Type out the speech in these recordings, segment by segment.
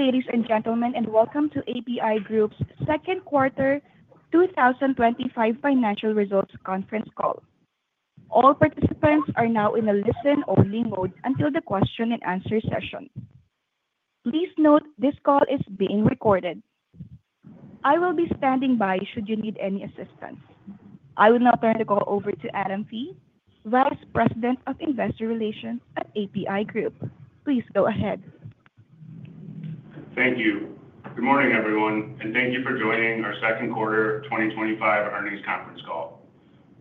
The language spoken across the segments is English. Ladies and gentlemen, welcome to APi Group's Second Quarter 2025 Financial Results Conference Call. All participants are now in a listen-only mode until the question-and-answer session. Please note this call is being recorded. I will be standing by should you need any assistance. I will now turn the call over to Adam Fee, Vice President of Investor Relations at APi Group. Please go ahead. Thank you. Good morning, everyone, and thank you for joining our Second Quarter 2025 Earnings Conference Call.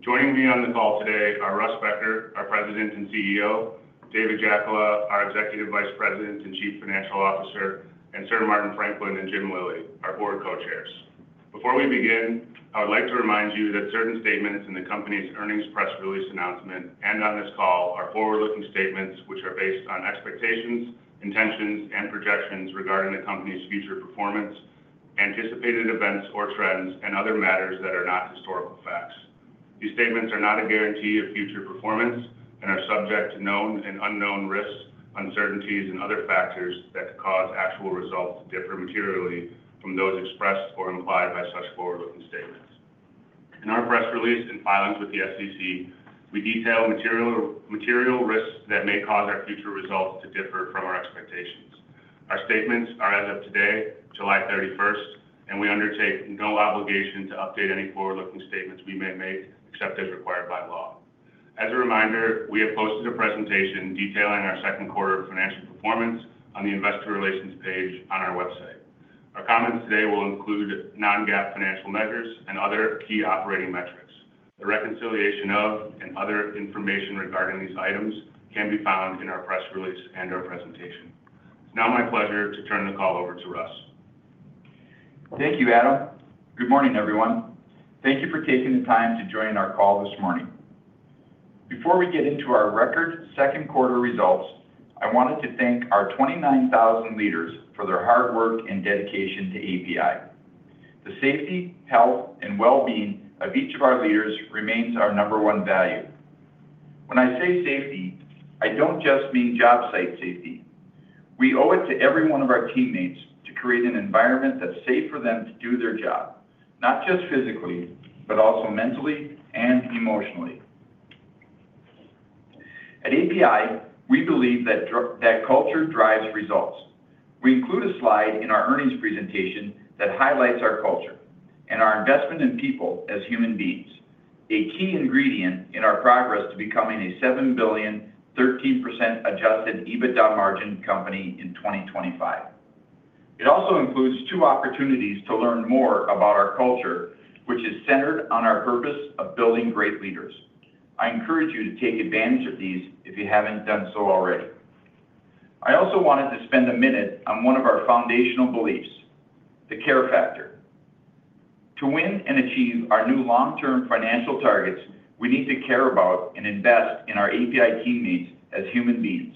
Joining me on the call today are Russ Becker, our President and CEO, David Jackola, our Executive Vice President and Chief Financial Officer, and Sir Martin Franklin and Jim Lillie, our Board Co-Chairs. Before we begin, I would like to remind you that certain statements in the company's earnings press release announcement and on this call are forward-looking statements which are based on expectations, intentions, and projections regarding the company's future performance, anticipated events or trends, and other matters that are not historical facts. These statements are not a guarantee of future performance and are subject to known and unknown risks, uncertainties, and other factors that could cause actual results to differ materially from those expressed or implied by such forward-looking statements. In our press release and filings with the SEC, we detail material risks that may cause our future results to differ from our expectations. Our statements are as of today, July 31, and we undertake no obligation to update any forward-looking statements we may make except as required by law. As a reminder, we have posted a presentation detailing our second quarter financial performance on the Investor Relations page on our website. Our comments today will include non-GAAP financial measures and other key operating metrics. The reconciliation of and other information regarding these items can be found in our press release and our presentation. It's now my pleasure to turn the call over to Russ. Thank you, Adam. Good morning, everyone. Thank you for taking the time to join our call this morning. Before we get into our recorded second quarter results, I wanted to thank our 29,000 leaders for their hard work and dedication to APi. The safety, health, and well-being of each of our leaders remains our number one value. When I say safety, I don't just mean job site safety. We owe it to every one of our teammates to create an environment that's safe for them to do their job, not just physically, but also mentally and emotionally. At APi, we believe that culture drives results. We include a slide in our earnings presentation that highlights our culture and our investment in people as human beings, a key ingredient in our progress to becoming a $7 billion, 13% adjusted EBITDA margin company in 2025. It also includes two opportunities to learn more about our culture, which is centered on our purpose of building great leaders. I encourage you to take advantage of these if you haven't done so already. I also wanted to spend a minute on one of our foundational beliefs, the care factor. To win and achieve our new long-term financial targets, we need to care about and invest in our APi teammates as human beings.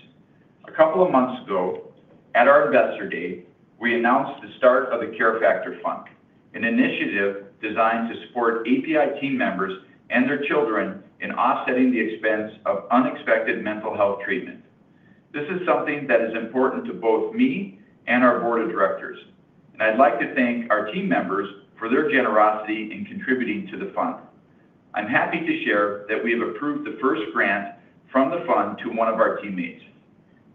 A couple of months ago, at our Investor Day, we announced the start of the Care Factor Fund, an initiative designed to support APi team members and their children in offsetting the expense of unexpected mental health treatment. This is something that is important to both me and our Board of Directors, and I'd like to thank our team members for their generosity in contributing to the fund. I'm happy to share that we have approved the first grant from the fund to one of our teammates.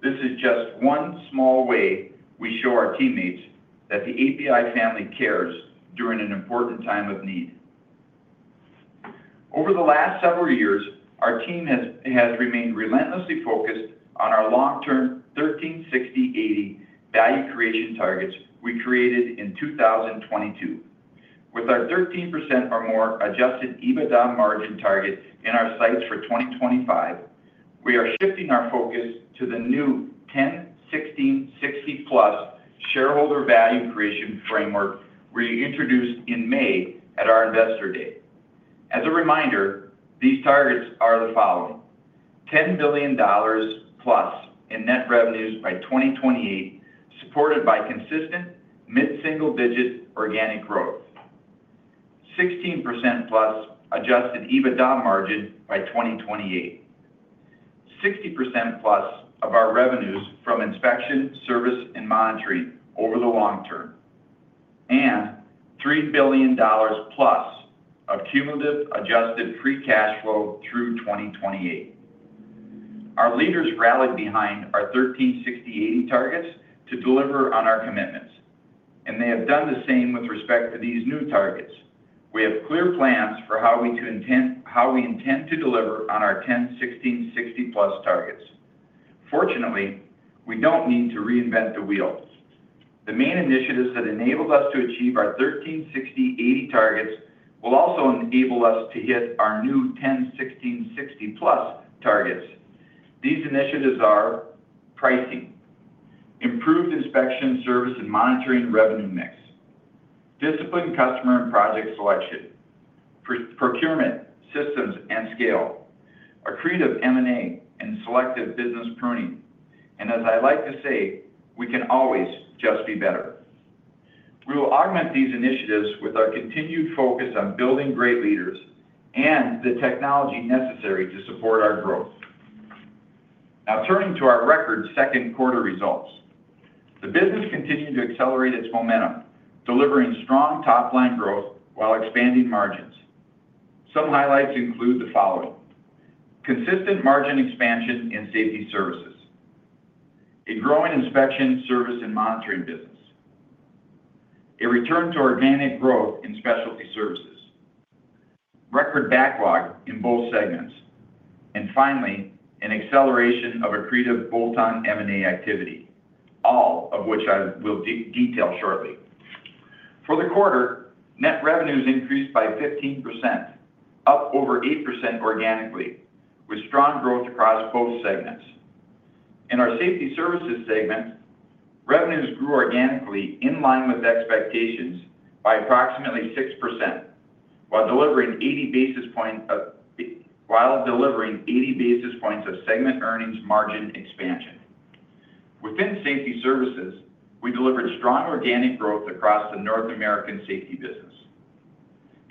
This is just one small way we show our teammates that the APi family cares during an important time of need. Over the last several years, our team has remained relentlessly focused on our long-term 13/60/80 value creation targets we created in 2022. With our 13% or more adjusted EBITDA margin target in our sights for 2025, we are shifting our focus to the new 10/16/60+ shareholder value creation framework we introduced in May at our Investor Day. As a reminder, these targets are the following. $10 billion+ in net revenues by 2028, supported by consistent mid-single digit organic growth. 16%+ adjusted EBITDA margin by 2028. 60%+ of our revenues from inspection, service, and monitoring over the long term. $3 billion+ of cumulative adjusted free cash flow through 2028. Our leaders rallied behind our 13/60/80 targets to deliver on our commitments, and they have done the same with respect to these new targets. We have clear plans for how we intend to deliver on our 10/16/60+ targets. Fortunately, we don't need to reinvent the wheel. The main initiatives that enabled us to achieve our 13/60/80 targets will also enable us to hit our new 10/16/60+targets. These initiatives are pricing, improved inspection, service, and monitoring revenue mix, disciplined customer and project selection, procurement systems and scale, accretive M&A and selective business pruning. As I like to say, we can always just be better. We will augment these initiatives with our continued focus on building great leaders and the technology necessary to support our growth. Now, turning to our recorded second quarter results, the business continued to accelerate its momentum, delivering strong top-line growth while expanding margins. Some highlights include the following: consistent margin expansion in safety services, a growing inspection, service, and monitoring business, a return to organic growth in specialty services, record backlog in both segments, and finally, an acceleration of accretive bolt-on M&A activity, all of which I will detail shortly. For the quarter, net revenues increased by 15%, up over 8% organically, with strong growth across both segments. In our safety services segment, revenues grew organically in line with expectations by approximately 6%, while delivering 80 basis points of segment earnings margin expansion. Within safety services, we delivered strong organic growth across the North American safety business.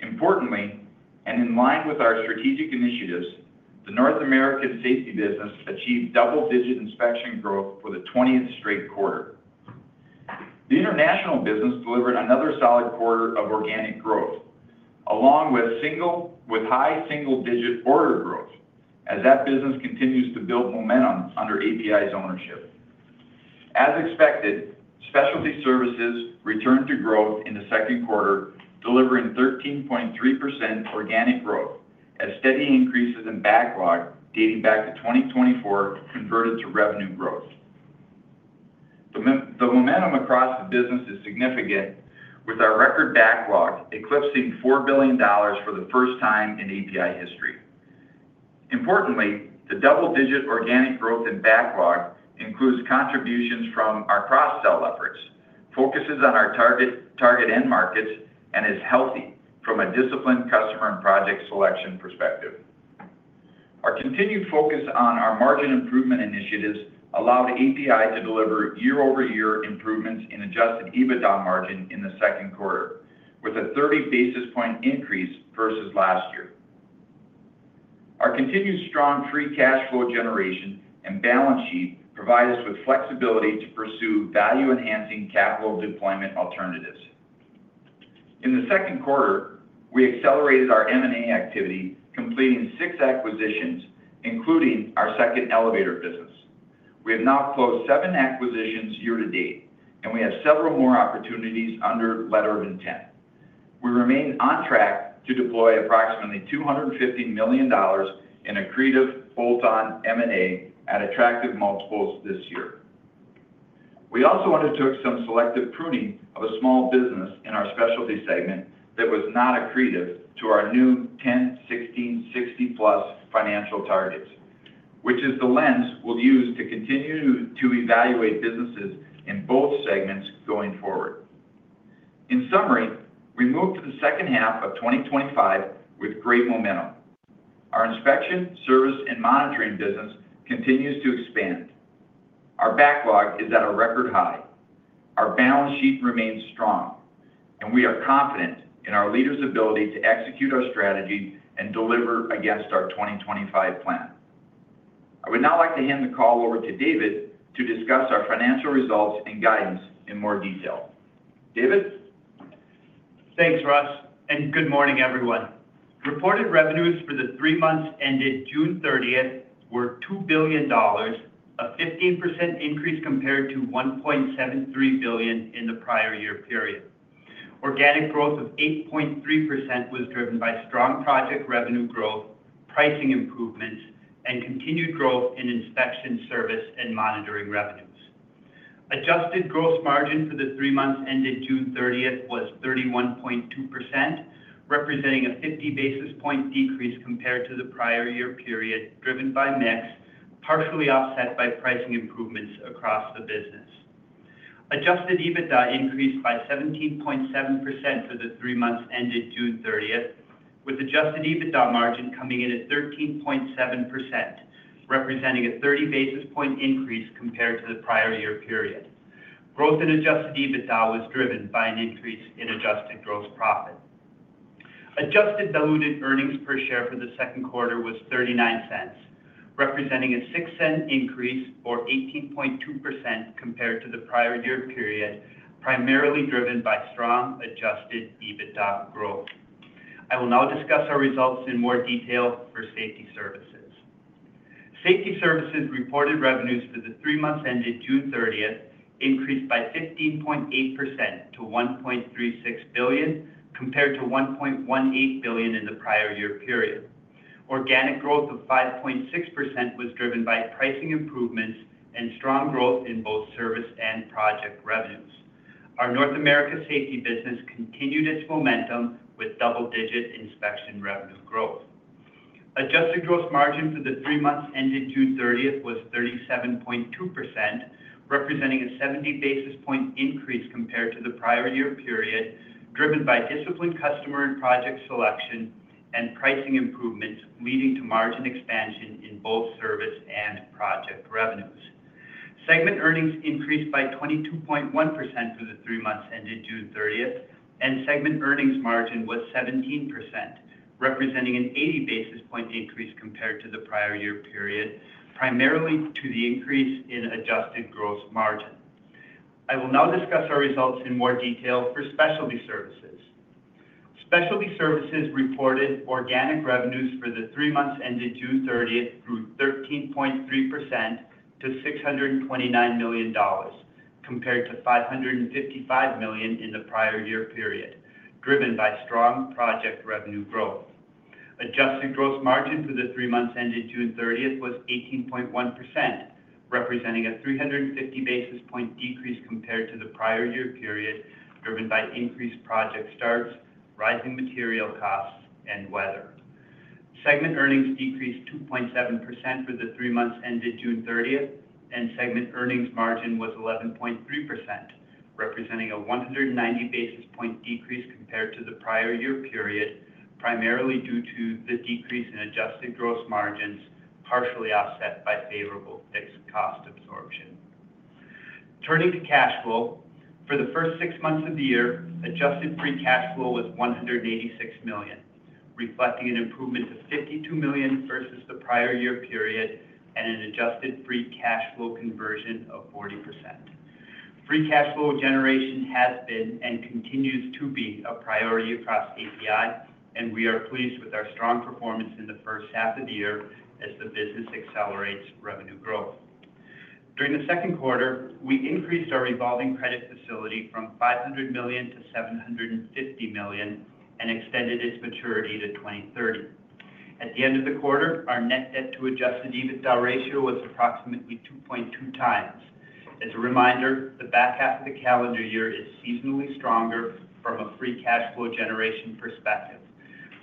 Importantly, and in line with our strategic initiatives, the North American safety business achieved double-digit inspection growth for the 20th straight quarter. The international business delivered another solid quarter of organic growth, along with high single-digit order growth, as that business continues to build momentum under APi's ownership. As expected, specialty services returned to growth in the second quarter, delivering 13.3% organic growth, as steady increases in backlog dating back to 2024 converted to revenue growth. The momentum across the business is significant, with our record backlog eclipsing $4 billion for the first time in APi history. Importantly, the double-digit organic growth in backlog includes contributions from our cross-sell efforts, focuses on our target end markets, and is healthy from a disciplined customer and project selection perspective. Our continued focus on our margin improvement initiatives allowed APi to deliver year-over-year improvements in adjusted EBITDA margin in the second quarter, with a 30 basis point increase versus last year. Our continued strong free cash flow generation and balance sheet provide us with flexibility to pursue value-enhancing capital deployment alternatives. In the second quarter, we accelerated our M&A activity, completing six acquisitions, including our second elevator business. We have now closed seven acquisitions year to date, and we have several more opportunities under letter of intent. We remain on track to deploy approximately $250 million in creative bolt-on M&A at attractive multiples this year. We also undertook some selective pruning of a small business in our specialty services segment that was not accretive to our new 10/16/60+ financial targets, which is the lens we'll use to continue to evaluate businesses in both segments going forward. In summary, we move to the second half of 2025 with great momentum. Our inspection, service, and monitoring business continues to expand. Our backlog is at a record high. Our balance sheet remains strong, and we are confident in our leaders' ability to execute our strategy and deliver against our 2025 plan. I would now like to hand the call over to David to discuss our financial results and guidance in more detail. David? Thanks, Russ. Good morning, everyone. Reported revenues for the three months ended June 30th were $2 billion, a 15% increase compared to $1.73 billion in the prior year period. Organic growth of 8.3% was driven by strong project revenue growth, pricing improvements, and continued growth in inspection, service, and monitoring revenues. Adjusted gross margin for the three months ended June 30th was 31.2%, representing a 50 basis point decrease compared to the prior year period, driven by mix, partially offset by pricing improvements across the business. Adjusted EBITDA increased by 17.7% for the three months ended June 30th, with adjusted EBITDA margin coming in at 13.7%, representing a 30 basis point increase compared to the prior year period. Growth in adjusted EBITDA was driven by an increase in adjusted gross profit. Adjusted diluted earnings per share for the second quarter was $0.39, representing a $0.06 increase or 18.2% compared to the prior year period, primarily driven by strong adjusted EBITDA growth. I will now discuss our results in more detail for safety services. Safety services reported revenues for the three months ended June 30th increased by 15.8% to $1.36 billion compared to $1.18 billion in the prior year period. Organic growth of 5.6% was driven by pricing improvements and strong growth in both service and project revenues. Our North America safety business continued its momentum with double-digit inspection revenue growth. Adjusted gross margin for the three months ended June 30th was 37.2%, representing a 70 basis point increase compared to the prior year period, driven by disciplined customer and project selection and pricing improvements leading to margin expansion in both service and project revenues. Segment earnings increased by 22.1% for the three months ended June 30th, and segment earnings margin was 17%, representing an 80 basis point increase compared to the prior year period, primarily due to the increase in adjusted gross margin. I will now discuss our results in more detail for specialty services. Specialty services reported organic revenues for the three months ended June 30th grew 13.3% to $629 million compared to $555 million in the prior year period, driven by strong project revenue growth. Adjusted gross margin for the three months ended June 30th was 18.1%, representing a 350 basis point decrease compared to the prior year period, driven by increased project starts, rising material costs, and weather. Segment earnings decreased 2.7% for the three months ended June 30, and segment earnings margin was 11.3%, representing a 190 basis point decrease compared to the prior year period, primarily due to the decrease in adjusted gross margins, partially offset by favorable fixed cost absorption. Turning to cash flow, for the first six months of the year, adjusted free cash flow was $186 million, reflecting an improvement of $52 million versus the prior year period and an adjusted free cash flow conversion of 40%. Free cash flow generation has been and continues to be a priority across APi, and we are pleased with our strong performance in the first half of the year as the business accelerates revenue growth. During the second quarter, we increased our revolving credit facility from $500 million to $750 million and extended its maturity to 2030. At the end of the quarter, our net debt to adjusted EBITDA ratio was approximately 2.2 times. As a reminder, the back half of the calendar year is seasonally stronger from a free cash flow generation perspective.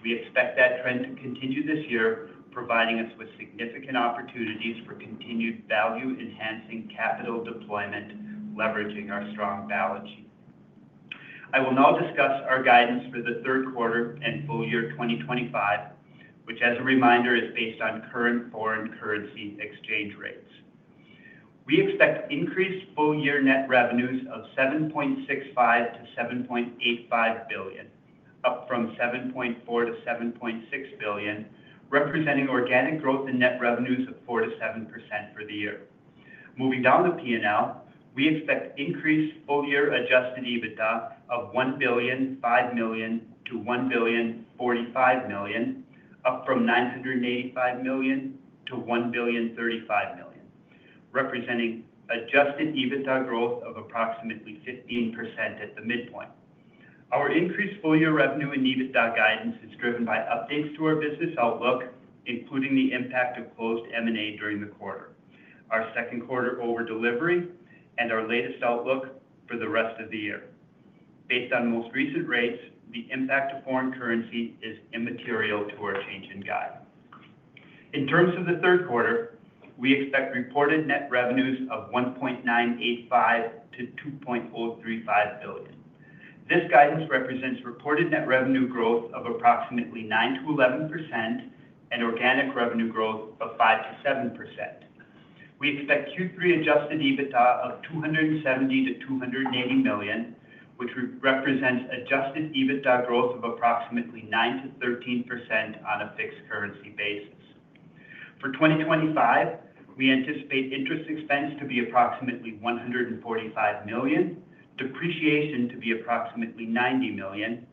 We expect that trend to continue this year, providing us with significant opportunities for continued value-enhancing capital deployment, leveraging our strong balance sheet. I will now discuss our guidance for the third quarter and full year 2025, which, as a reminder, is based on current foreign currency exchange rates. We expect increased full year net revenues of $7.65 billion to $7.85 billion, up from $7.4 billion to $7.6 billion, representing organic growth in net revenues of 4% to 7% for the year. Moving down the P&L, we expect increased full year adjusted EBITDA of $1.005 billion to $1.045 billion, up from $985 million to $1.035 billion, representing adjusted EBITDA growth of approximately 15% at the midpoint. Our increased full year revenue and EBITDA guidance is driven by updates to our business outlook, including the impact of closed M&A activity during the quarter, our second quarter over delivery, and our latest outlook for the rest of the year. Based on most recent rates, the impact of foreign currency is immaterial to our change in guidance. In terms of the third quarter, we expect reported net revenues of $1.985 million to $2.035 billion. This guidance represents reported net revenue growth of approximately 9%-11% and organic revenue growth of 5%-7%. We expect Q3 adjusted EBITDA of $270 million-$280 million, which represents adjusted EBITDA growth of approximately 9% to 13% on a fixed currency basis. For 2025, we anticipate interest expense to be approximately $145 million, depreciation to be approximately $90 million,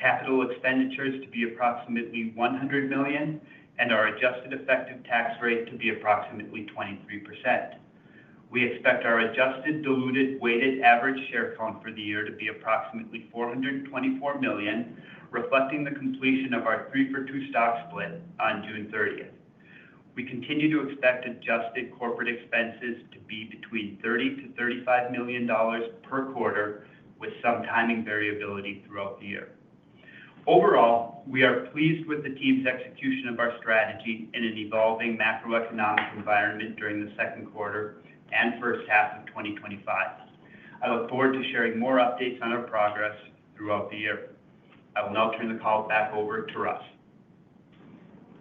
capital expenditures to be approximately $100 million, and our adjusted effective tax rate to be approximately 23%. We expect our adjusted diluted weighted average share count for the year to be approximately $424 million, reflecting the completion of our three-for-two stock split on June 30th. We continue to expect adjusted corporate expenses to be between $30 million-$35 million per quarter, with some timing variability throughout the year. Overall, we are pleased with the team's execution of our strategy in an evolving macroeconomic environment during the second quarter and first half of 2025. I look forward to sharing more updates on our progress throughout the year. I will now turn the call back over to Russ.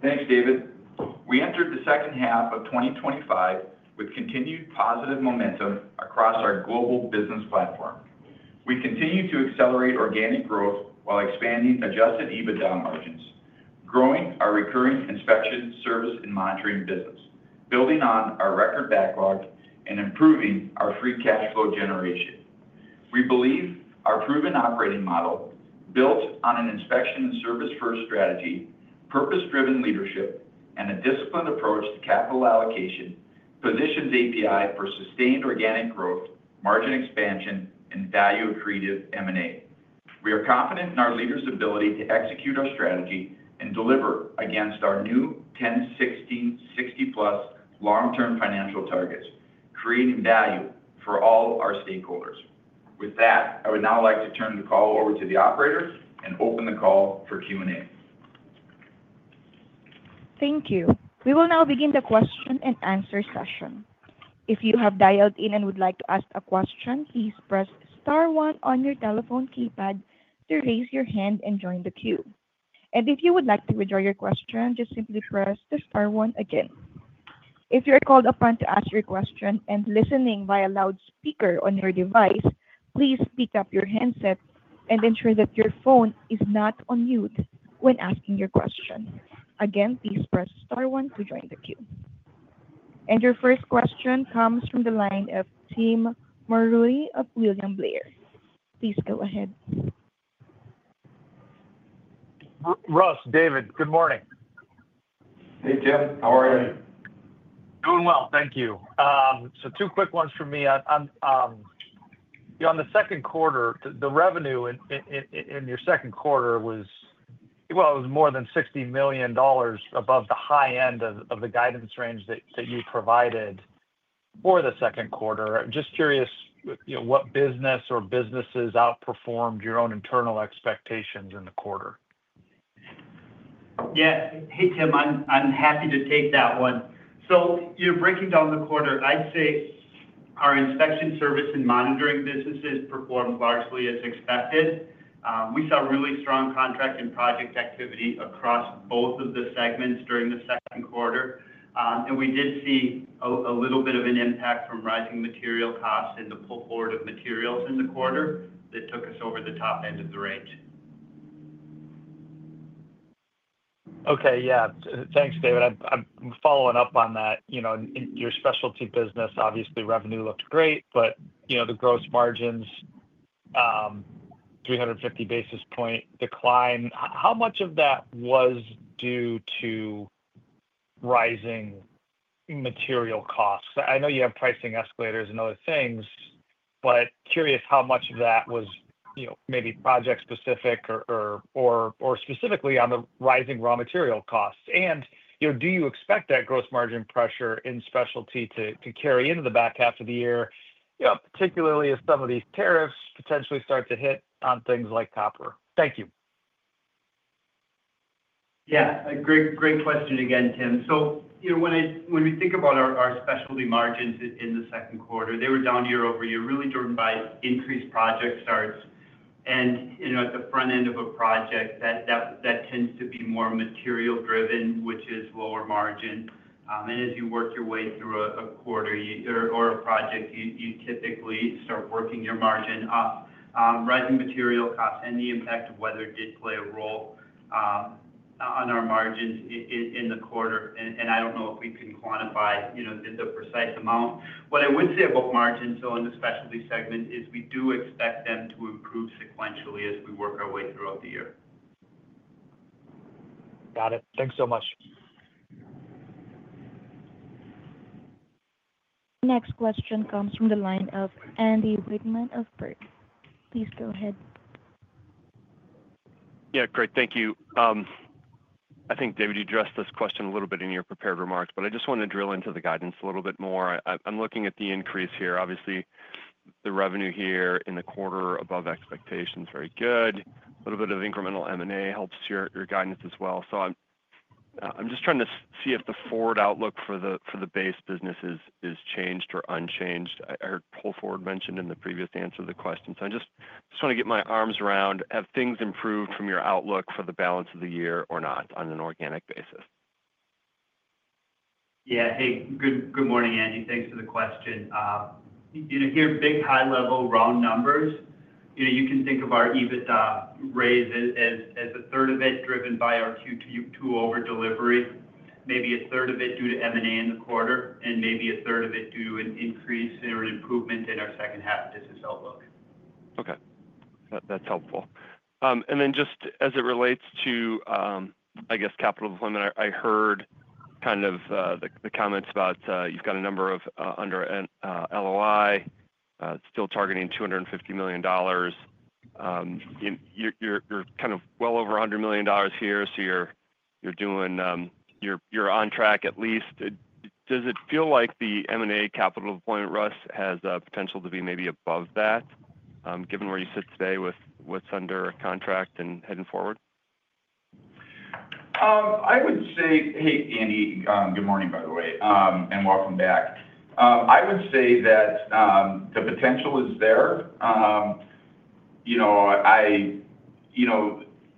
Thanks, David. We entered the second half of 2025 with continued positive momentum across our global business platform. We continue to accelerate organic growth while expanding adjusted EBITDA margins, growing our recurring inspection, service, and monitoring business, building on our record backlog, and improving our free cash flow generation. We believe our proven operating model, built on an inspection and service-first strategy, purpose-driven leadership, and a disciplined approach to capital allocation, positions APi for sustained organic growth, margin expansion, and value-accretive M&A. We are confident in our leaders' ability to execute our strategy and deliver against our new 1016/60 Plus long-term financial targets, creating value for all our stakeholders. With that, I would now like to turn the call over to the operator and open the call for Q&A. Thank you. We will now begin the question and answer session. If you have dialed in and would like to ask a question, please press star one on your telephone keypad to raise your hand and join the queue. If you would like to withdraw your question, just simply press the star one again. If you're called upon to ask your question and listening via loudspeaker on your device, please pick up your headset and ensure that your phone is not on mute when asking your question. Again, please press star one to join the queue. Your first question comes from the line of Tim Malrooney of William Blair. Please go ahead. Russ, David, good morning. Hey, Tim. How are you? Doing well. Thank you. Two quick ones from me. On the second quarter, the revenue in your second quarter was, it was more than $60 million above the high end of the guidance range that you provided for the second quarter. I'm just curious what business or businesses outperformed your own internal expectations in the quarter. Yeah. Hey, Tim. I'm happy to take that one. You're breaking down the quarter. I'd say our inspection, service, and monitoring businesses performed largely as expected. We saw really strong contract and project activity across both of the segments during the second quarter. We did see a little bit of an impact from rising material costs and the pull forward of materials in the quarter that took us over the top end of the range. Okay. Yeah. Thanks, David. I'm following up on that. In your specialty services business, obviously, revenue looked great, but the gross margins, 350 basis point decline. How much of that was due to rising material costs? I know you have pricing escalators and other things, but curious how much of that was maybe project-specific or specifically on the rising raw material costs. Do you expect that gross margin pressure in specialty to carry into the back half of the year, particularly as some of these tariffs potentially start to hit on things like copper? Thank you. Great question again, Tim. When we think about our specialty margins in the second quarter, they were down year-over-year, really driven by increased project starts. At the front end of a project, that tends to be more material-driven, which is lower margin. As you work your way through a quarter or a project, you typically start working your margin up. Rising material costs and the impact of weather did play a role on our margins in the quarter. I don't know if we can quantify the precise amount. What I would say about margins on the specialty services segment is we do expect them to improve sequentially as we work our way throughout the year. Got it. Thanks so much. Next question comes from the line of Andy Wittmann of Baird. Please go ahead. Yeah. Great. Thank you. I think, David, you addressed this question a little bit in your prepared remarks, but I just want to drill into the guidance a little bit more. I'm looking at the increase here. Obviously, the revenue here in the quarter above expectation is very good. A little bit of incremental M&A helps your guidance as well. I'm just trying to see if the forward outlook for the base business is changed or unchanged. I heard pull forward mentioned in the previous answer to the question. I just want to get my arms around, have things improved from your outlook for the balance of the year or not on an organic basis? Yeah. Hey, good morning, Andy. Thanks for the question. You're hearing big high-level raw numbers. You can think of our EBITDA raise as a third of it driven by our Q2 over delivery, maybe a third of it due to M&A in the quarter, and maybe a third of it due to an increase or an improvement in our second-half business outlook. Okay. That's helpful. Just as it relates to capital deployment, I heard the comments about you've got a number under LOI. Still targeting $250 million. You're well over $100 million here, so you're on track at least. Does it feel like the M&A capital deployment, Russ, has a potential to be maybe above that, given where you sit today with what's under contract and heading forward? I would say, hey, Andy, good morning, by the way, and welcome back. I would say that the potential is there.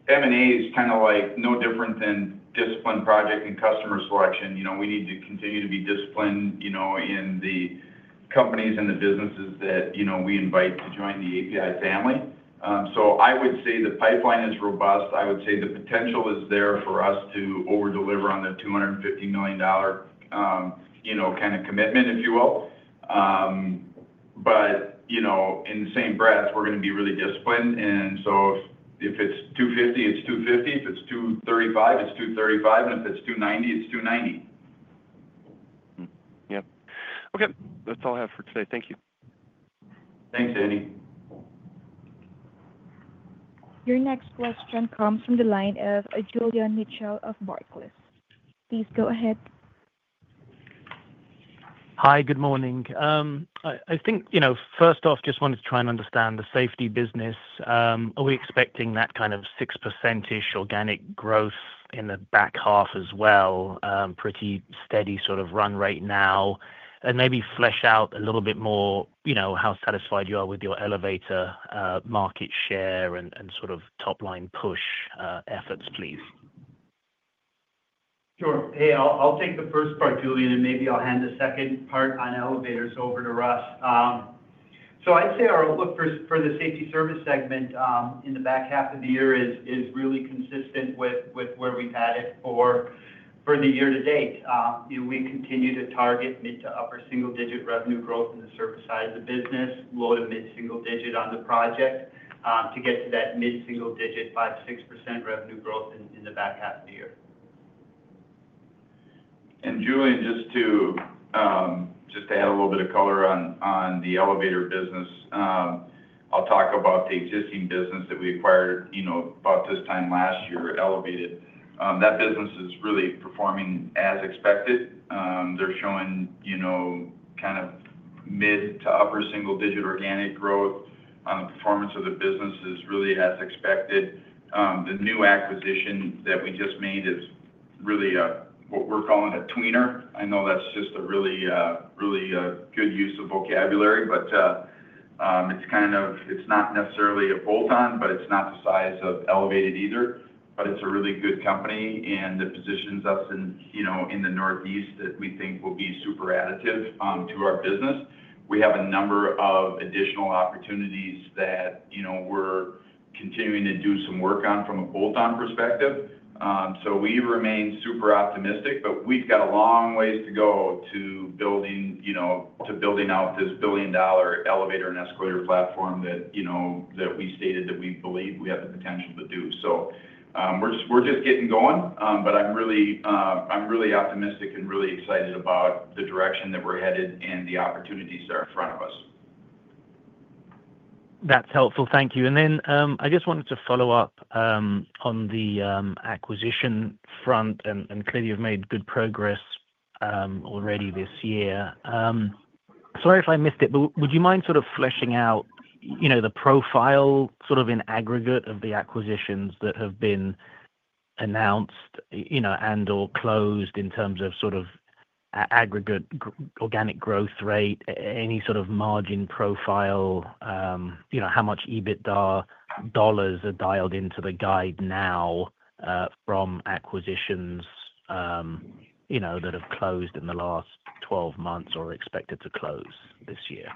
M&A is kind of like no different than disciplined project and customer selection. We need to continue to be disciplined in the companies and the businesses that we invite to join the APi family. I would say the pipeline is robust. I would say the potential is there for us to over deliver on the $250 million commitment, if you will. In the same breath, we're going to be really disciplined. If it's $250 million, it's $250 million. If it's $235 million, it's $235 million. If it's $290 million, it's $290 million. Okay. That's all I have for today. Thank you. Thanks, Andy. Your next question comes from the line of Julian Mitchell of Barclays. Please go ahead. Hi, good morning. First off, just wanted to try and understand the safety business. Are we expecting that kind of 6%-ish organic growth in the back half as well? Pretty steady sort of run right now. Maybe flesh out a little bit more how satisfied you are with your elevator market share and sort of top-line push efforts, please. Sure. I'll take the first part, Julian, and maybe I'll hand the second part on elevators over to Russ. I'd say our outlook for the safety services segment in the back half of the year is really consistent with where we've had it for the year to date. We continue to target mid to upper single-digit revenue growth in the service side of the business, low to mid-single digit on the project to get to that mid-single digit 5%-6% revenue growth in the back half of the year. Julian, just to add a little bit of color on the elevator business. I'll talk about the existing business that we acquired about this time last year, Elevated. That business is really performing as expected. They're showing mid to upper single-digit organic growth. The performance of the business is really as expected. The new acquisition that we just made is really what we're calling a tweener. I know that's just a really, really good use of vocabulary, but it's kind of, it's not necessarily a bolt-on, but it's not the size of Elevated either. It's a really good company, and it positions us in the Northeast that we think will be super additive to our business. We have a number of additional opportunities that we're continuing to do some work on from a bolt-on perspective. We remain super optimistic, but we've got a long ways to go to building out this billion dollar elevator and escalator platform that we stated that we believe we have the potential to do. We're just getting going, but I'm really optimistic and really excited about the direction that we're headed and the opportunities that are in front of us. That's helpful. Thank you. I just wanted to follow up on the acquisition front, and clearly you've made good progress already this year. Sorry if I missed it, but would you mind sort of fleshing out the profile in aggregate of the acquisitions that have been announced and/or closed in terms of aggregate organic growth rate, any sort of margin profile, and how much EBITDA dollars are dialed into the guide now from acquisitions that have closed in the last 12 months or are expected to close this year?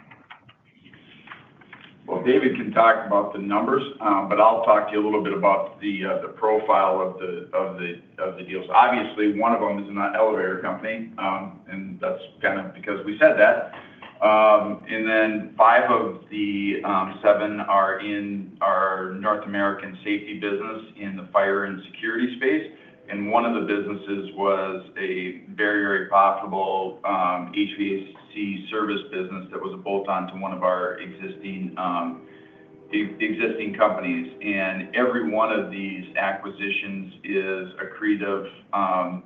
David can talk about the numbers, but I'll talk to you a little bit about the profile of the deals. Obviously, one of them is an elevator company, and that's kind of because we said that. Five of the seven are in our North American safety business in the fire and security space. One of the businesses was a very, very profitable HVAC services business that was a bolt-on to one of our existing companies. Every one of these acquisitions is accretive.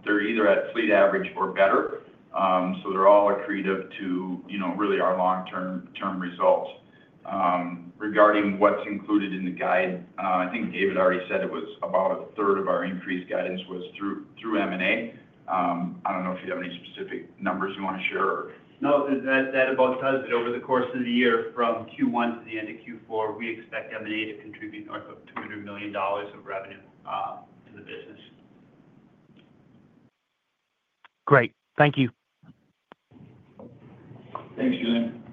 They're either at fleet average or better, so they're all accretive to really our long-term results. Regarding what's included in the guide, I think David already said it was about a third of our increased guidance was through M&A. I don't know if you have any specific numbers you want to share or. No, that about does it. Over the course of the year, from Q1 to the end of Q4, we expect M&A to contribute north of $200 million of revenue to the business. Great. Thank you. Thanks, Julian.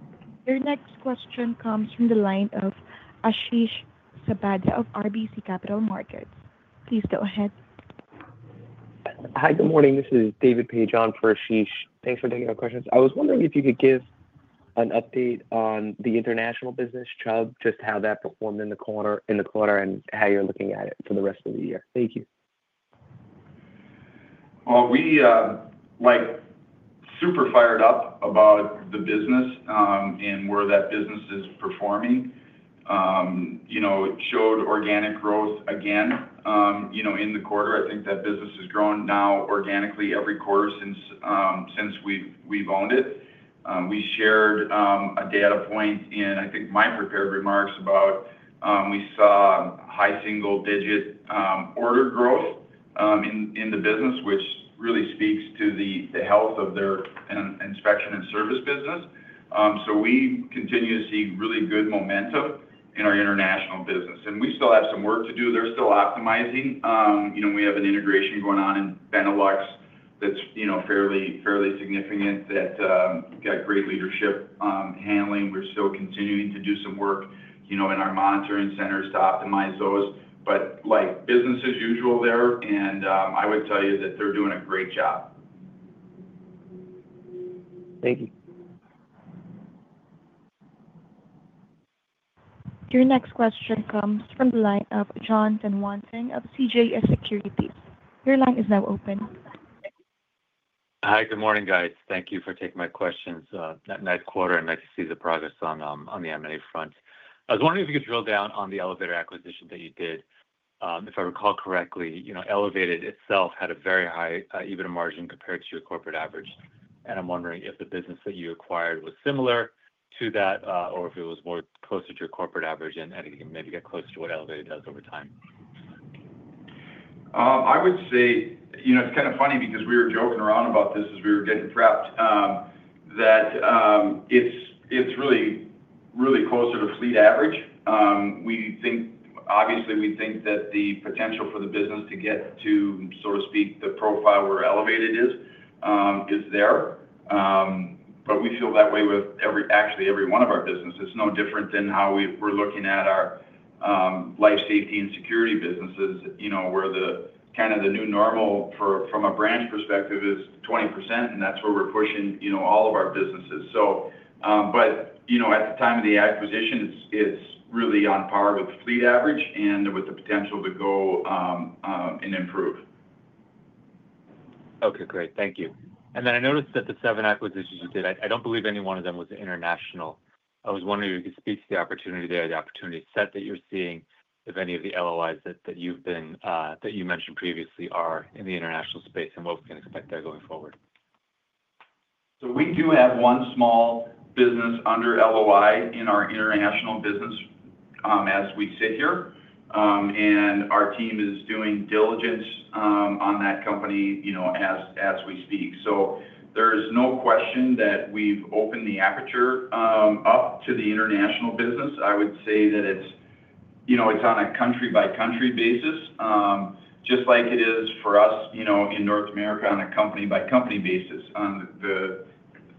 Your next question comes from the line of Ashish Sabadra of RBC Capital Markets. Please go ahead. Hi, good morning. This is David Paige on for Ashish. Thanks for taking our questions. I was wondering if you could give an update on the international business Chubb, just how that performed in the quarter and how you're looking at it for the rest of the year. Thank you. We are super fired up about the business and where that business is performing. It showed organic growth again in the quarter. I think that business has grown now organically every quarter since we've owned it. I shared a data point in, I think, my prepared remarks about seeing high single-digit order growth in the business, which really speaks to the health of their inspection and service business. We continue to see really good momentum in our international business, and we still have some work to do. They're still optimizing. We have an integration going on in Benelux that's fairly significant that has great leadership handling it. We're still continuing to do some work in our monitoring centers to optimize those. Business as usual there, and I would tell you that they're doing a great job. Thank you. Your next question comes from the line of Jon Tanwanteng of CJS Securities. Your line is now open. Hi, good morning, guys. Thank you for taking my questions. That nice quarter, and nice to see the progress on the M&A front. I was wondering if you could drill down on the elevator acquisition that you did. If I recall correctly, Elevated itself had a very high EBITDA margin compared to your corporate average. I'm wondering if the business that you acquired was similar to that or if it was more closer to your corporate average and maybe get closer to what Elevated does over time. I would say it's kind of funny because we were joking around about this as we were getting prepped. It's really, really closer to fleet average. Obviously, we think that the potential for the business to get to, so to speak, the profile where Elevated is there. We feel that way with actually every one of our businesses. It's no different than how we're looking at our fire and life safety and security businesses, where kind of the new normal from a branch perspective is 20%, and that's where we're pushing all of our businesses. At the time of the acquisition, it's really on par with fleet average and with the potential to go and improve. Okay. Great. Thank you. I noticed that the seven acquisitions you did, I don't believe any one of them was international. I was wondering if you could speak to the opportunity there, the opportunity set that you're seeing, if any of the LOIs that you've mentioned previously are in the international space and what we can expect there going forward. We do have one small business under LOI in our international business as we sit here, and our team is doing diligence on that company as we speak. There is no question that we've opened the aperture up to the international business. I would say that it's on a country-by-country basis, just like it is for us in North America on a company-by-company basis.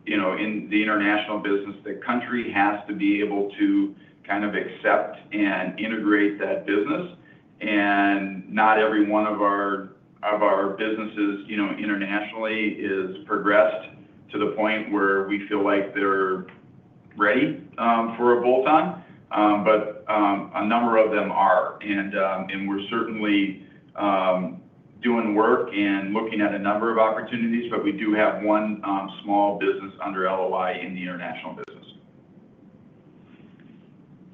In the international business, the country has to be able to kind of accept and integrate that business, and not every one of our businesses internationally is progressed to the point where we feel like they're ready for a bolt-on, but a number of them are. We're certainly doing work and looking at a number of opportunities, but we do have one small business under LOI in the international business.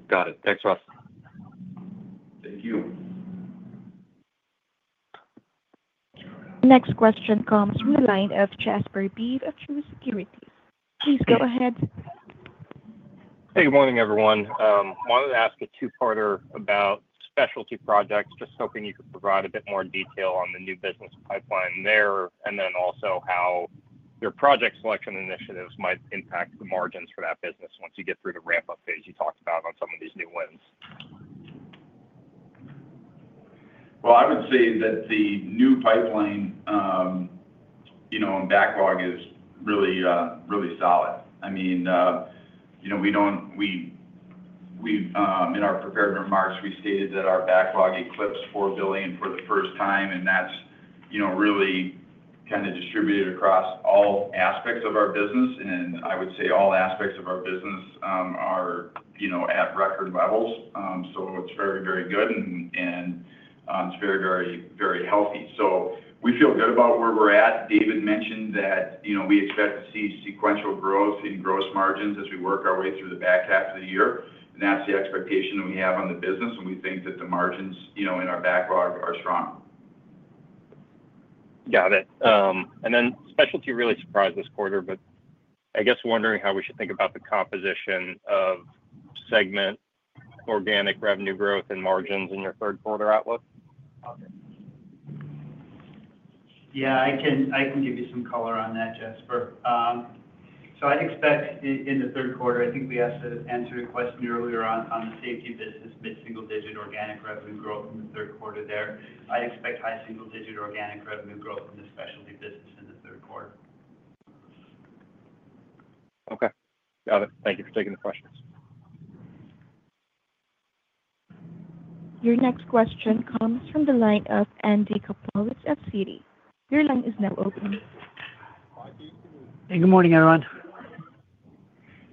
Got it. Thanks, Russ. Thank you. Next question comes from the line of Jasper Bibb of Truist Securities. Please go ahead. Hey, good morning, everyone. I wanted to ask a two-parter about specialty projects, just hoping you could provide a bit more detail on the new business pipeline there and then also how your project selection initiatives might impact the margins for that business once you get through the ramp-up phase you talked about on some of these new wins. The new pipeline and backlog is really, really solid. In our prepared remarks, we stated that our backlog eclipsed $4 billion for the first time, and that's really kind of distributed across all aspects of our business. I would say all aspects of our business are at record levels. It's very, very good, and it's very, very, very healthy. We feel good about where we're at. David mentioned that we expect to see sequential growth in gross margins as we work our way through the back half of the year. That's the expectation that we have on the business, and we think that the margins in our backlog are strong. Got it. Specialty really surprised this quarter, but I guess wondering how we should think about the composition of the segment, organic revenue growth, and margins in your third-quarter outlook. Yeah, I can give you some color on that, Jasper. I'd expect in the third quarter, I think we answered a question earlier on the safety services segment, mid-single-digit organic revenue growth in the third quarter there. I expect high single-digit organic revenue growth in the specialty services segment in the third quarter. Okay. Got it. Thank you for taking the questions. Your next question comes from the line of Andy Kaplowitz of Citi. Your line is now open. Hey, good morning, everyone.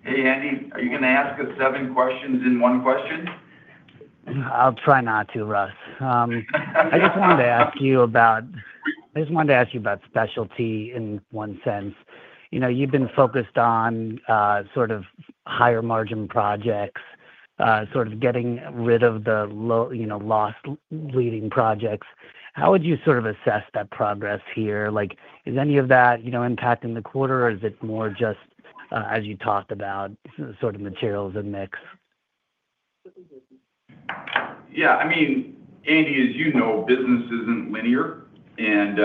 Hey, Andy. Are you going to ask us seven questions in one question? I'll try not to, Russ. I just wanted to ask you about specialty in one sense. You've been focused on sort of higher margin projects, sort of getting rid of the loss leading projects. How would you sort of assess that progress here? Is any of that impacting the quarter, or is it more just as you talked about sort of materials and mix? Yeah. I mean, Andy, as you know, business isn't linear, and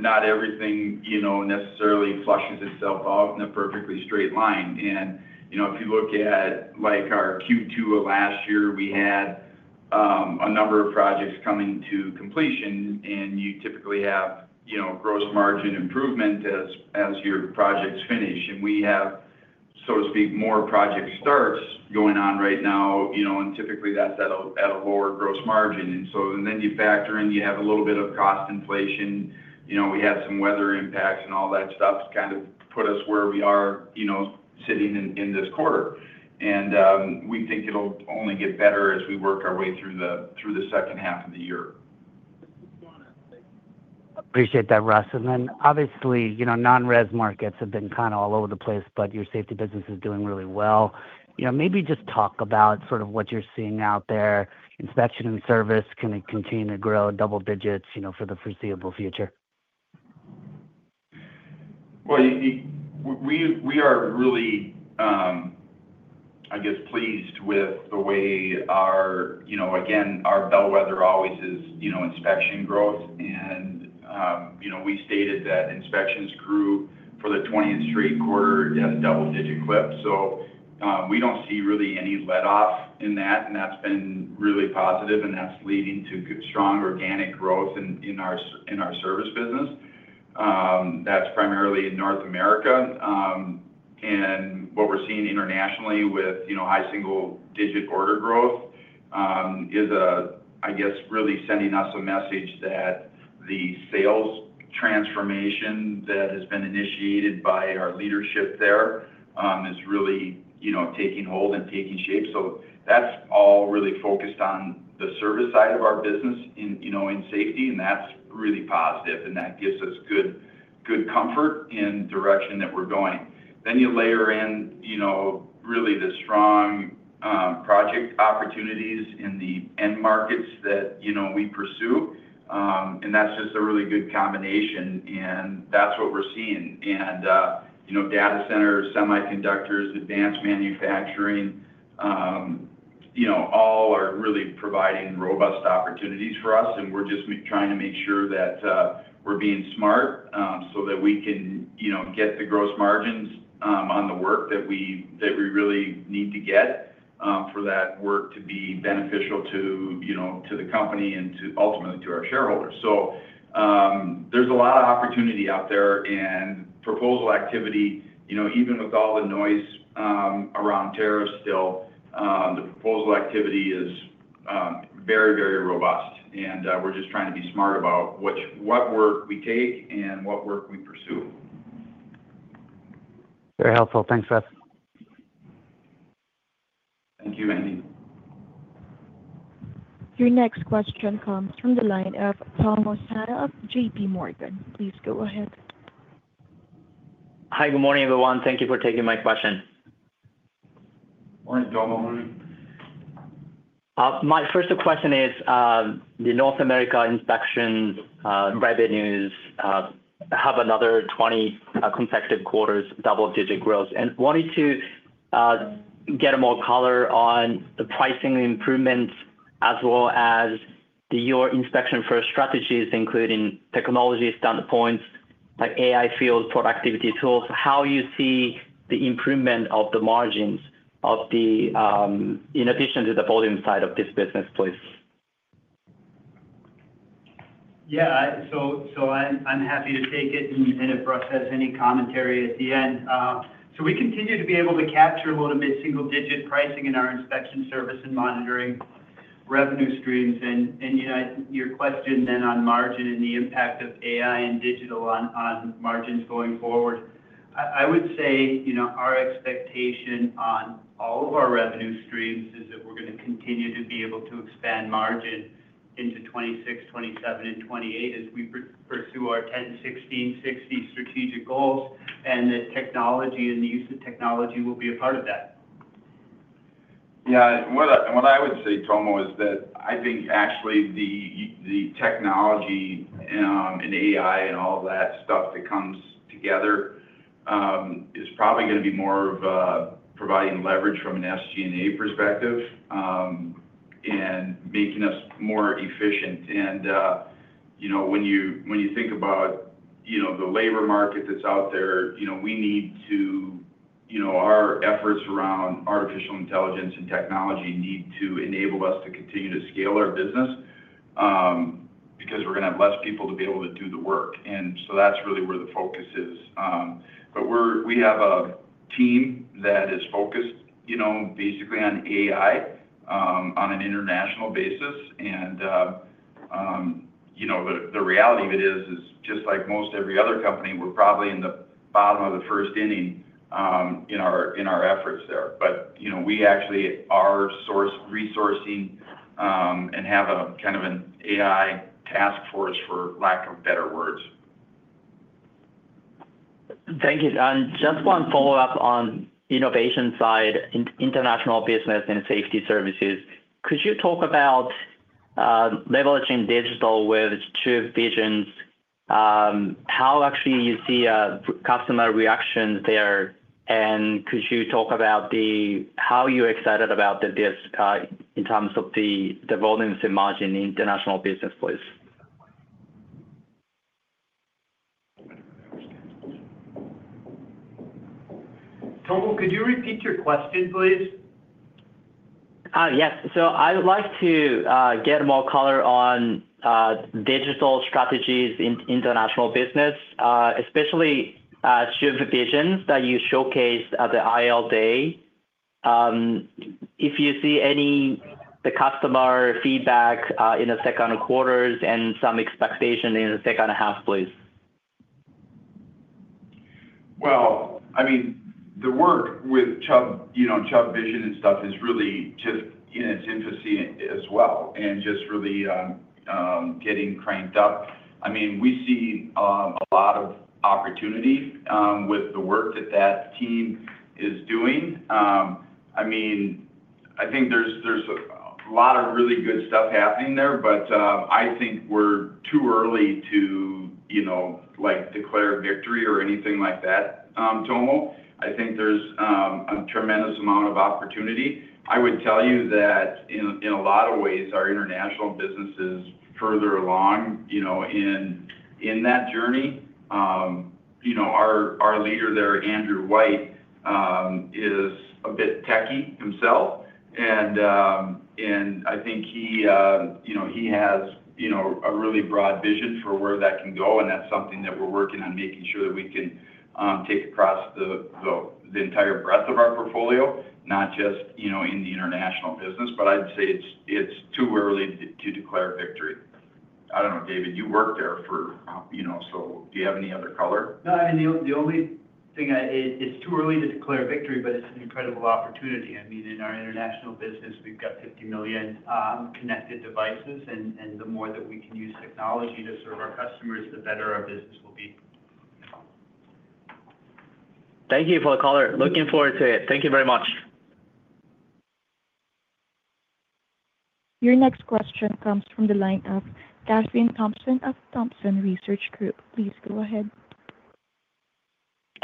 not everything necessarily flushes itself out in a perfectly straight line. If you look at our Q2 of last year, we had a number of projects coming to completion, and you typically have gross margin improvement as your projects finish. We have, so to speak, more project starts going on right now, and typically, that's at a lower gross margin. You factor in you have a little bit of cost inflation. We have some weather impacts, and all that stuff kind of put us where we are sitting in this quarter. We think it'll only get better as we work our way through the second half of the year. Appreciate that, Russ. Obviously, non-res markets have been kind of all over the place, but your safety business is doing really well. Maybe just talk about sort of what you're seeing out there. Inspection and service, can it continue to grow double digits for the foreseeable future? We are really, I guess, pleased with the way our, again, our bellwether always is inspection growth. We stated that inspections grew for the 20th straight quarter at a double-digit clip. We don't see really any let-off in that. That's been really positive, and that's leading to strong organic growth in our service business. That's primarily in North America. What we're seeing internationally with high single-digit order growth is, I guess, really sending us a message that the sales transformation that has been initiated by our leadership there is really taking hold and taking shape. That's all really focused on the service side of our business in safety, and that's really positive. That gives us good comfort in the direction that we're going. You layer in really the strong project opportunities in the end markets that we pursue, and that's just a really good combination. That's what we're seeing. Data centers, semiconductors, advanced manufacturing all are really providing robust opportunities for us. We're just trying to make sure that we're being smart so that we can get the gross margins on the work that we really need to get for that work to be beneficial to the company and ultimately to our shareholders. There's a lot of opportunity out there, and proposal activity, even with all the noise around tariffs still, the proposal activity is very, very robust. We're just trying to be smart about what work we take and what work we pursue. Very helpful. Thanks, Russ. Thank you, Andy. Your next question comes from the line of Tomo Sano of JPMorgan. Please go ahead. Hi, good morning, everyone. Thank you for taking my question. Morning, Tomo. My first question is the North America inspection revenues have another 20 consecutive quarters double-digit growth. I wanted to get more color on the pricing improvements as well as your inspection first strategies, including technology standpoints like AI field productivity tools, how you see the improvement of the margins in addition to the volume side of this business, please. Yeah. I'm happy to take it. If Russ has any commentary at the end. We continue to be able to capture a little bit of mid-single-digit pricing in our inspection, service, and monitoring revenue streams. Your question on margin and the impact of AI and digital on margins going forward, I would say our expectation on all of our revenue streams is that we're going to continue to be able to expand margin into 2026, 2027, and 2028 as we pursue our 10/16/60+ strategic goals and that technology and the use of technology will be a part of that. Yeah. What I would say, Tomo, is that I think actually the technology and AI and all of that stuff that comes together is probably going to be more of providing leverage from an SG&A perspective and making us more efficient. When you think about the labor market that's out there, we need to. Our efforts around artificial intelligence and technology need to enable us to continue to scale our business because we're going to have less people to be able to do the work. That's really where the focus is. We have a team that is focused basically on AI on an international basis. The reality of it is, just like most every other company, we're probably in the bottom of the first inning in our efforts there. We actually are resourcing and have kind of an AI task force, for lack of better words. Thank you. Just one follow-up on the innovation side, international business, and safety services. Could you talk about leveraging digital with Chubb Vision? How actually do you see customer reactions there? Could you talk about how you're excited about this in terms of the volumes and margin in international business, please? Tomo, could you repeat your question, please? Yes. I would like to get more color on digital strategies in international business, especially Chubb Vision that you showcased at the IL day. If you see any customer feedback in the second quarter and some expectation in the second half, please. The work with Chubb Vision and stuff is really just in its infancy as well and just really getting cranked up. We see a lot of opportunity with the work that that team is doing. I think there's a lot of really good stuff happening there, but I think we're too early to declare victory or anything like that, Tom. I think there's a tremendous amount of opportunity. I would tell you that in a lot of ways, our international business is further along in that journey. Our leader there, Andrew White, is a bit techie himself. I think he has a really broad vision for where that can go, and that's something that we're working on making sure that we can take across the entire breadth of our portfolio, not just in the international business. I'd say it's too early to declare victory. I don't know, David, you worked there for, so do you have any other color? No, I mean, the only thing I—it's too early to declare victory, but it's an incredible opportunity. I mean, in our international business, we've got $50 million connected devices. The more that we can use technology to serve our customers, the better our business will be. Thank you for the color. Looking forward to it. Thank you very much. Your next question comes from the line of Kathryn Thompson of Thompson Research Group. Please go ahead.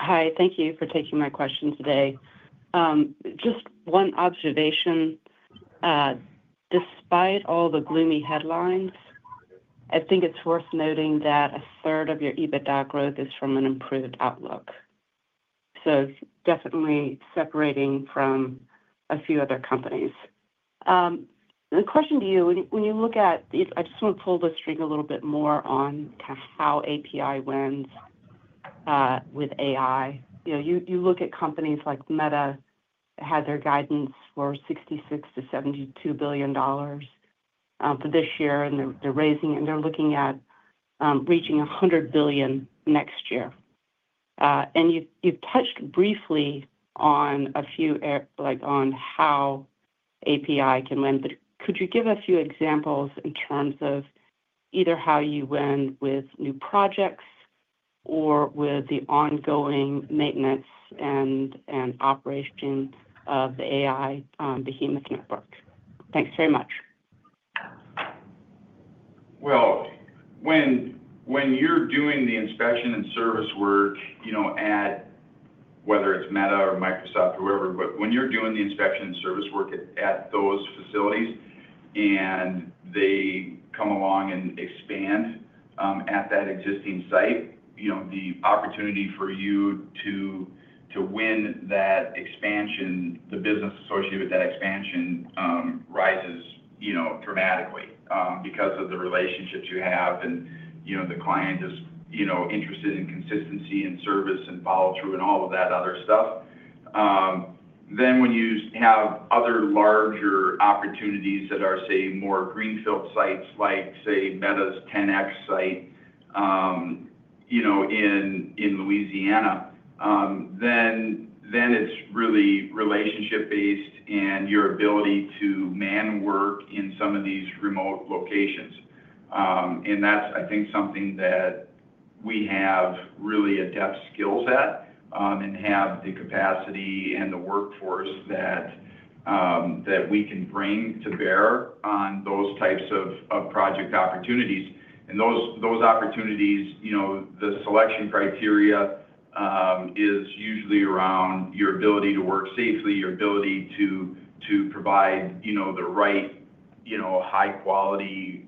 Hi. Thank you for taking my question today. Just one observation. Despite all the gloomy headlines, I think it's worth noting that a third of your EBITDA growth is from an improved outlook. Definitely separating from a few other companies. The question to you, when you look at—I just want to pull the string a little bit more on kind of how APi wins with AI. You look at companies like Meta, had their guidance for $66 billion-$72 billion for this year. They're raising, and they're looking at reaching $100 billion next year. You've touched briefly on a few on how APi can win. Could you give a few examples in terms of either how you win with new projects or with the ongoing maintenance and operation of the AI behemoth network? Thanks very much. When you're doing the inspection and service work at, whether it's Meta or Microsoft or whoever, when you're doing the inspection and service work at those facilities and they come along and expand at that existing site, the opportunity for you to win that expansion, the business associated with that expansion, rises dramatically because of the relationships you have. The client is interested in consistency and service and follow-through and all of that other stuff. When you have other larger opportunities that are, say, more greenfield sites like, say, Meta's 10X site in Louisiana, it's really relationship-based and your ability to man-work in some of these remote locations. I think that's something that we have really adept skills at and have the capacity and the workforce that we can bring to bear on those types of project opportunities. Those opportunities, the selection criteria is usually around your ability to work safely, your ability to provide the right high-quality,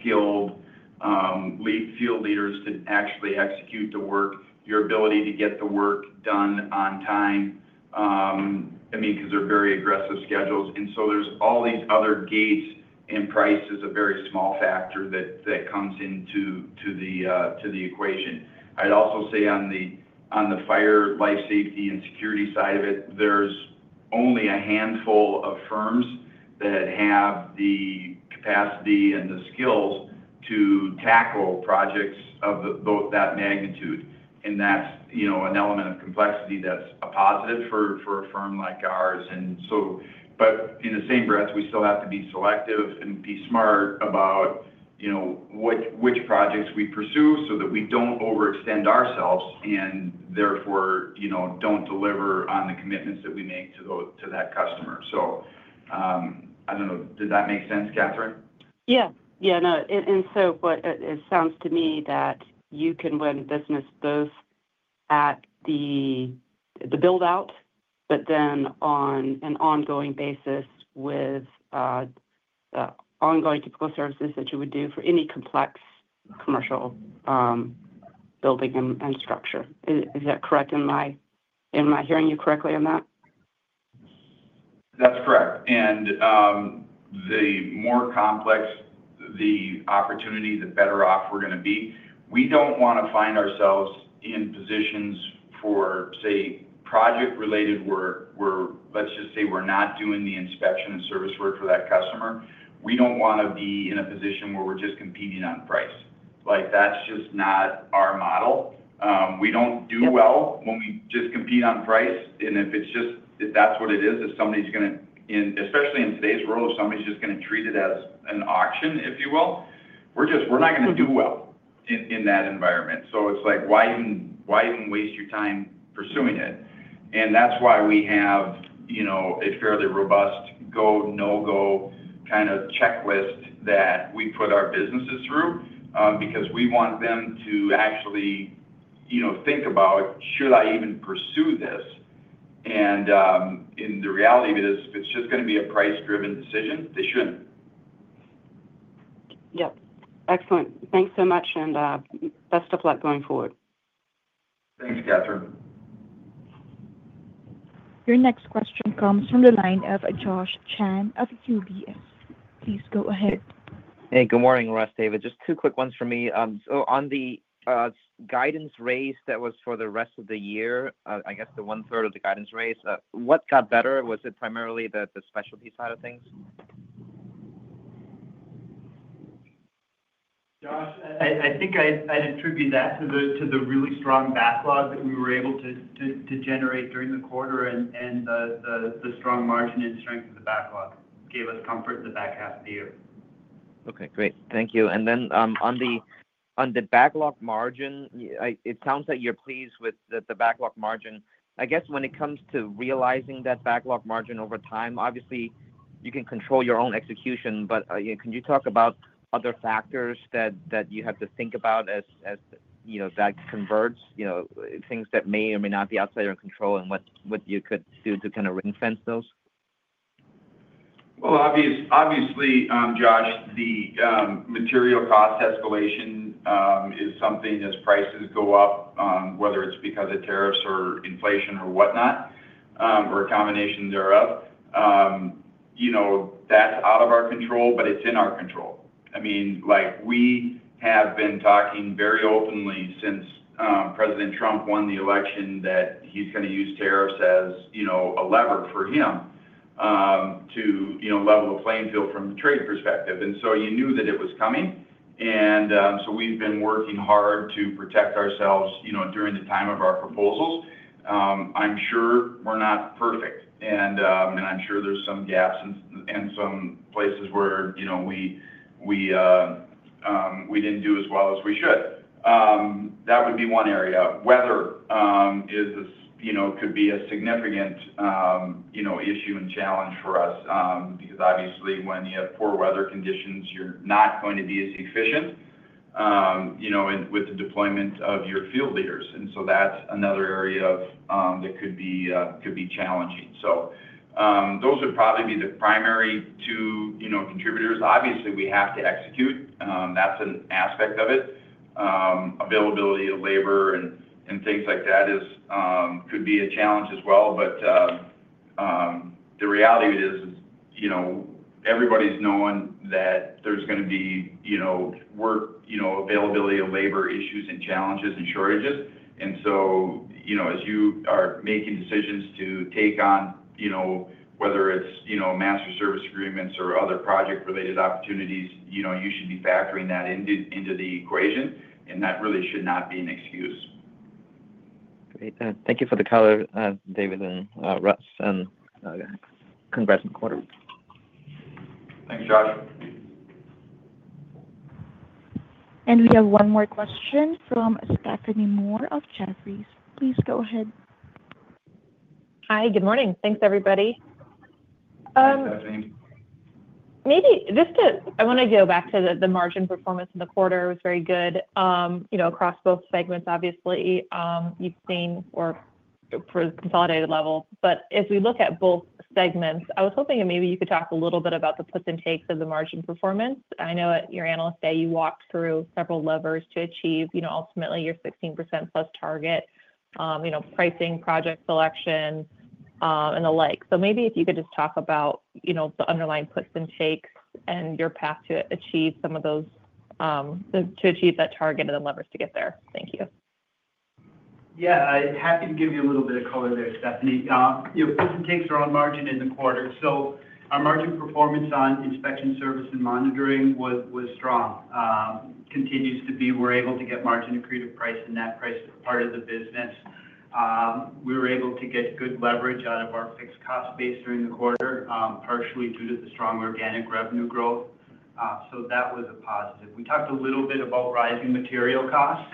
skilled field leaders to actually execute the work, your ability to get the work done on time, because they're very aggressive schedules. There are all these other gates and price is a very small factor that comes into the equation. I'd also say on the fire and life safety and security side of it, there's only a handful of firms that have the capacity and the skills to tackle projects of both that magnitude. That's an element of complexity that's a positive for a firm like ours. In the same breath, we still have to be selective and be smart about which projects we pursue so that we don't overextend ourselves and therefore don't deliver on the commitments that we make to that customer. I don't know. Did that make sense, Kathryn? Yeah. No. It sounds to me that you can win business both at the build-out, but then on an ongoing basis with ongoing typical services that you would do for any complex commercial building and structure. Is that correct? Am I hearing you correctly on that? That's correct. The more complex the opportunity, the better off we're going to be. We don't want to find ourselves in positions for, say, project-related work where, let's just say, we're not doing the inspection and service work for that customer. We don't want to be in a position where we're just competing on price. That's just not our model. We don't do well when we just compete on price. If that's what it is, if somebody's going to, and especially in today's world, if somebody's just going to treat it as an auction, if you will, we're not going to do well in that environment. It is like, why even waste your time pursuing it? That is why we have a fairly robust go, no-go kind of checklist that we put our businesses through because we want them to actually think about, "Should I even pursue this?" In the reality of it, if it's just going to be a price-driven decision, they shouldn't. Excellent. Thanks so much, and best of luck going forward. Thanks, Kathryn. Your next question comes from the line of Josh Chan of UBS. Please go ahead. Hey, good morning, Russ, David. Just two quick ones for me. On the guidance raise that was for the rest of the year, I guess the one-third of the guidance raise, what got better? Was it primarily the specialty side of things? Josh, I think I'd attribute that to the really strong backlog that we were able to generate during the quarter, and the strong margin and strength of the backlog gave us comfort in the back half of the year. Okay. Great. Thank you. On the backlog margin, it sounds like you're pleased with the backlog margin. I guess when it comes to realizing that backlog margin over time, obviously, you can control your own execution, but can you talk about other factors that you have to think about as that converts, things that may or may not be outside of your control, and what you could do to kind of ring-fence those? Obviously, Josh, the material cost escalation is something as prices go up, whether it's because of tariffs or inflation or whatnot, or a combination thereof. That's out of our control, but it's in our control. I mean, we have been talking very openly since President Trump won the election that he's going to use tariffs as a lever for him to level the playing field from the trade perspective. You knew that it was coming. We have been working hard to protect ourselves during the time of our proposals. I'm sure we're not perfect, and I'm sure there's some gaps and some places where we didn't do as well as we should. That would be one area. Weather could be a significant issue and challenge for us because, obviously, when you have poor weather conditions, you're not going to be as efficient with the deployment of your field leaders. That's another area that could be challenging. Those would probably be the primary two contributors. Obviously, we have to execute. That's an aspect of it. Availability of labor and things like that could be a challenge as well. The reality of it is everybody's knowing that there's going to be work availability of labor issues and challenges and shortages. As you are making decisions to take on, whether it's master service agreements or other project-related opportunities, you should be factoring that into the equation. That really should not be an excuse. Great. Thank you for the color, David and Russ. Congrats in the quarter. Thanks, Josh. We have one more question from Stephanie Moore of Jefferies. Please go ahead. Hi. Good morning. Thanks, everybody. Hi, Stephanie. Maybe just to—I want to go back to the margin performance in the quarter was very good. Across both segments, obviously, you've seen for the consolidated level. As we look at both segments, I was hoping that maybe you could talk a little bit about the puts and takes of the margin performance. I know your analysts say you walked through several levers to achieve ultimately your 16%+ target, pricing, project selection, and the like. Maybe if you could just talk about the underlying puts and takes and your path to achieve some of those, to achieve that target and the levers to get there. Thank you. Yeah. I'm happy to give you a little bit of color there, Stephanie. Puts and takes are on margin in the quarter. Our margin performance on inspection, service, and monitoring was strong. Continues to be—we're able to get margin and creative price in that price part of the business. We were able to get good leverage out of our fixed cost base during the quarter, partially due to the strong organic revenue growth. That was a positive. We talked a little bit about rising material costs.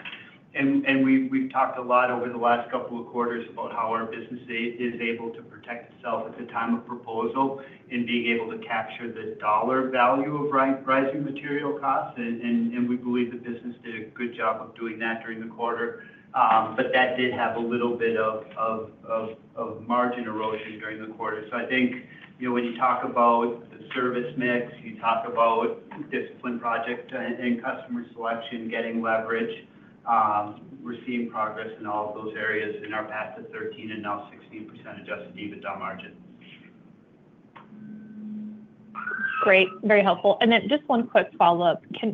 We've talked a lot over the last couple of quarters about how our business is able to protect itself at the time of proposal and being able to capture the dollar value of rising material costs. We believe the business did a good job of doing that during the quarter. That did have a little bit of margin erosion during the quarter. I think when you talk about the service mix, you talk about discipline project and customer selection, getting leverage. We're seeing progress in all of those areas in our path to 13% and now 16% adjusted EBITDA margin. Great. Very helpful. Just one quick follow-up. Is there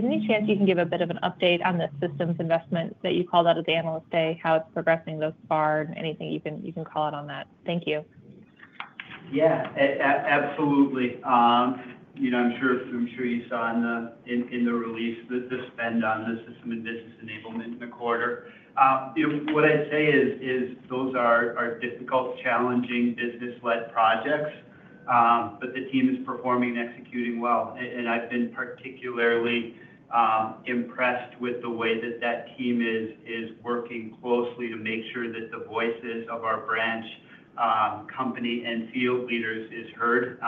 any chance you can give a bit of an update on the systems investment that you called out at the analyst day, how it's progressing thus far, and anything you can call out on that? Thank you. Yeah. Absolutely. I'm sure you saw in the release the spend on the system and business enablement in the quarter. What I'd say is those are difficult, challenging business-led projects, but the team is performing and executing well. I've been particularly impressed with the way that team is working closely to make sure that the voices of our branch, company, and field leaders are heard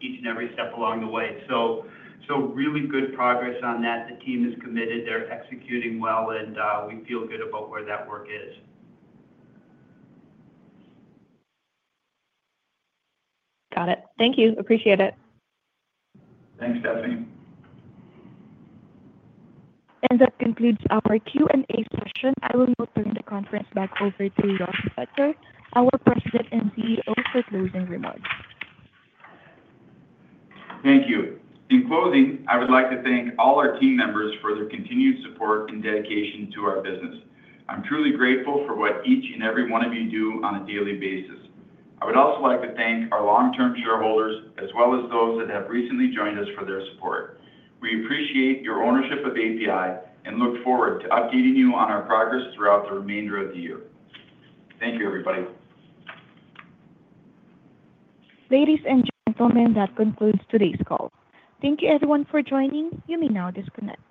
each and every step along the way. Really good progress on that. The team is committed, they're executing well, and we feel good about where that work is. Got it. Thank you. Appreciate it. Thanks, Stephanie. That concludes our Q&A session. I will now turn the conference back over to Russ Becker, our President and CEO, for closing remarks. Thank you. In closing, I would like to thank all our team members for their continued support and dedication to our business. I'm truly grateful for what each and every one of you do on a daily basis. I would also like to thank our long-term shareholders as well as those that have recently joined us for their support. We appreciate your ownership of APi and look forward to updating you on our progress throughout the remainder of the year. Thank you, everybody. Ladies and gentlemen, that concludes today's call. Thank you, everyone, for joining. You may now disconnect.